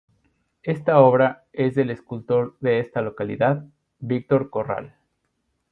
Esta obra es del escultor de esta localidad, Victor Corral.